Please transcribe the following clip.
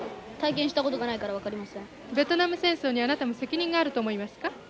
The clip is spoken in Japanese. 体験したことがないから分かりませんベトナム戦争にあなたも責任があると思いますか？